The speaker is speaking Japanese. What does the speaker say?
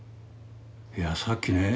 いやさっきね